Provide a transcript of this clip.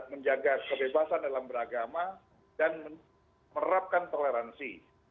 menjaga kebebasan dalam beragama dan menerapkan toleransi